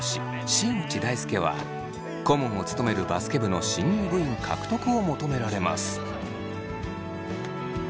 新内大輔は顧問を務めるバスケ部の新入部員獲得を求められます。